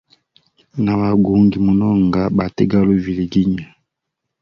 Na wagungi munonga, bategali uviliginya.